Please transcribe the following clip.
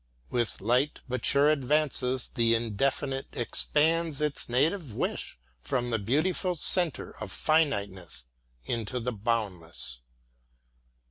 With light but sure advances the Indefinite expands its native wish from the beautiful centre of Finiteness into the boundless.